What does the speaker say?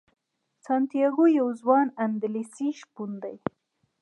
سانتیاګو یو ځوان اندلسي شپون دی.